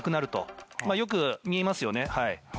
よく見ますよね。